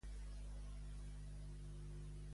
La germana de Dadan fuig?